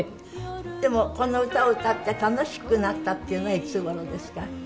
でもこの歌を歌って楽しくなったっていうのはいつ頃ですか？